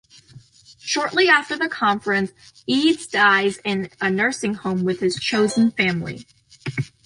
Shortly after the conference, Eads dies in a nursing home with his chosen family.